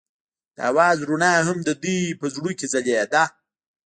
د اواز رڼا هم د دوی په زړونو کې ځلېده.